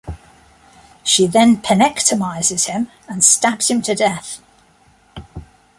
She then penectomises him and stabs him to death.